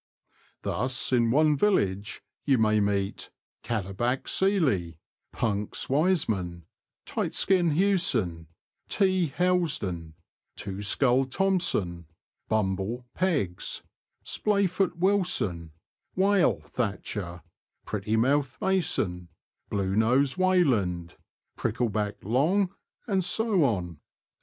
Thus, in one village you may meet '' Cadderback " Ceiley, " Punks " Wiseman, *' Tight skin " Hewson, ''Tea" Helsdon, "Two skulled" Thomsen, "Bumble" Peggs, "Splayfoot" Wilson, "Whale" Thatcher, "Pretty mouth" Mason, " Bluenose " Wayland, " Prickleback " Long, and so on.